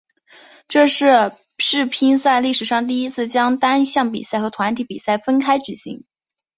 这是世乒赛历史上第一次将单项比赛和团体比赛分开举行。